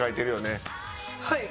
はい。